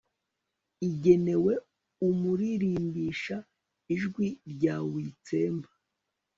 igenewe umuririmbisha. ijwi rya witsemba